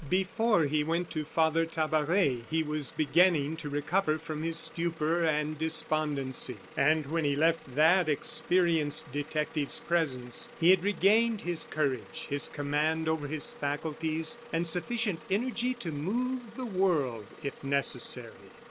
Before he went to Father Tabaret, he was beginning to recover from his stupor and despondency; and when he left that experienced detective's presence, he had regained his courage, his command over his faculties, and sufficient energy to move the world, if necessary.